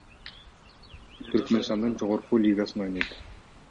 Түркмөнстандын жогорку лигасында ойнойт.